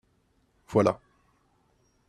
Voilà.